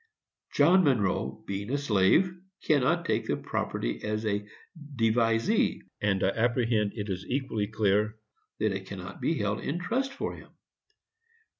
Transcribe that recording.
John Monroe, being a slave, cannot take the property as devisee; and I apprehend it is equally clear that it cannot be held in trust for him.